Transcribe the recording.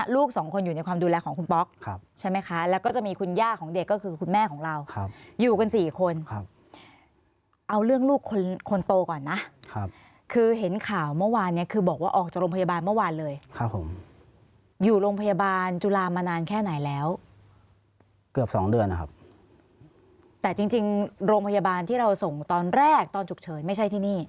ลูกสองคนอยู่ในความดูแลของคุณป๊อกใช่ไหมคะแล้วก็จะมีคุณย่าของเด็กก็คือคุณแม่ของเราอยู่กัน๔คนเอาเรื่องลูกคนโตก่อนนะคือเห็นข่าวเมื่อวานเนี่ยคือบอกว่าออกจากโรงพยาบาลเมื่อวานเลยครับผมอยู่โรงพยาบาลจุฬามานานแค่ไหนแล้วเกือบสองเดือนนะครับแต่จริงโรงพยาบาลที่เราส่งตอนแรกตอนฉุกเฉินไม่ใช่ที่นี่